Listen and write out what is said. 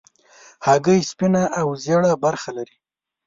هګۍ سپینه او ژېړه برخه لري.